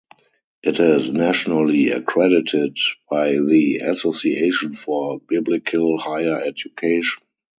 It is nationally accredited by the Association for Biblical Higher Education.